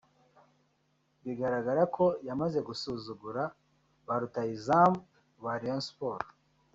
bigaragara ko yamaze gusuzugura ba rutahizamu ba Rayon Sports